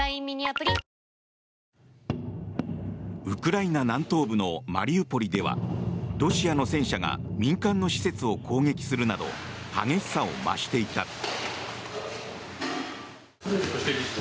ウクライナ南東部のマリウポリではロシアの戦車が民間の施設を攻撃するなど激しさを増していた。